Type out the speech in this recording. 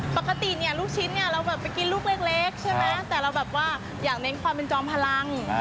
ปกติเนี่ยลูกชิ้นเนี่ยเราแบบไปกินลูกเล็กใช่ไหมแต่เราแบบว่าอยากเน้นความเป็นจอมพลัง